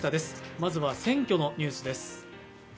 まずは選挙のニュースです。